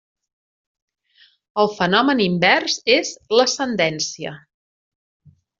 El fenomen invers és l'ascendència.